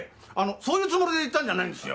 そういうつもりで言ったんじゃないんですよ。